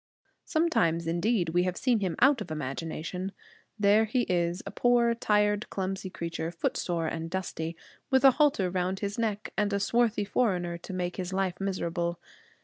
Sometimes, indeed, we have seen him out of imagination. There he is a poor, tired, clumsy creature, footsore and dusty, with a halter round his neck, and a swarthy foreigner to make his life miserable.